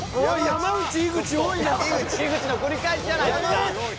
山内井口の繰り返しじゃないですか。